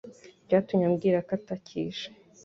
byatumye ambwira ko atakije